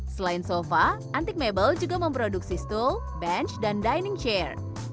selain sofa antique mabel juga memproduksi stool bench dan dining chair